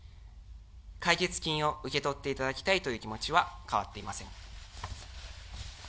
解決金を受け取っていただきたいという気持ちは変わっていません。